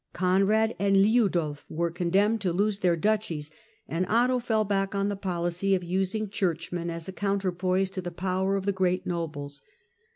Conrad and Liudolf were condemned to lose their duchies, and Otto fell back on the policy of using churchmen as a counterpoise to the power of the great nobles.